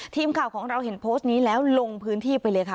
ทีมข่าวของเราเห็นโพสต์นี้แล้วลงพื้นที่ไปเลยค่ะ